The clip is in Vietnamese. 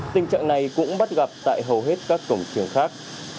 tình trạng này cũng bắt gặp tại hầu hết các cổng trường khác